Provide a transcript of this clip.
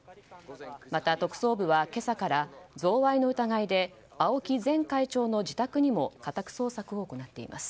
また、特捜部は今朝から贈賄の疑いでＡＯＫＩ前会長の自宅にも家宅捜索を行っています。